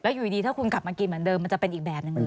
อยู่ดีถ้าคุณกลับมากินเหมือนเดิมมันจะเป็นอีกแบบนึง